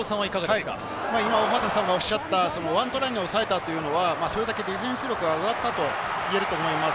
今、大畑さんがおっしゃったワントライに抑えたというのは、それだけディフェンス力が上がったといえると思います。